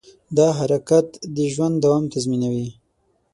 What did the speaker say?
دا حرکت د ژوند دوام تضمینوي.